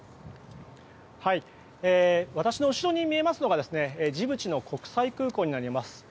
私の後ろに見えますのがジブチの国際空港になります。